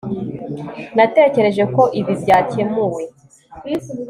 Natekereje ko ibi byakemuwe